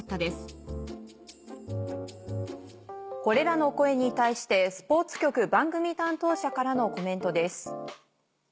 これらの声に対してスポーツ局番組担当者からのコメントです。